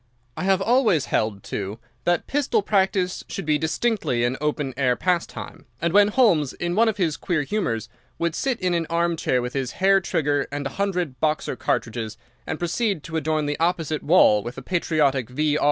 I have always held, too, that pistol practice should be distinctly an open air pastime; and when Holmes, in one of his queer humours, would sit in an armchair with his hair trigger and a hundred Boxer cartridges, and proceed to adorn the opposite wall with a patriotic V.